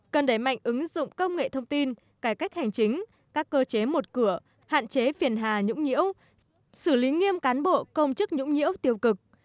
cần đẩy mạnh ứng dụng công nghệ thông tin cải cách hành chính các cơ chế một cửa hạn chế phiền hà nhũng nhiễu xử lý nghiêm cán bộ công chức nhũng nhiễu tiêu cực